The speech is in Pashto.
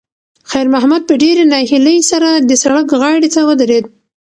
خیر محمد په ډېرې ناهیلۍ سره د سړک غاړې ته ودرېد.